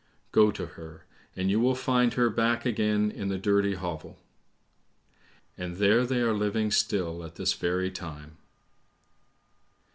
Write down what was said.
"Go to her, and you will find her back again in the dirty hovel." And there they are living still at this very time.